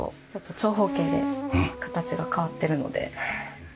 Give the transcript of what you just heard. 長方形で形が変わってるので。